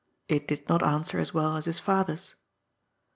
It did not answer as well as his father's.